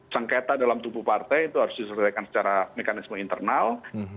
sengketa dalam tubuh partai itu harus diselesaikan secara mekanisme internal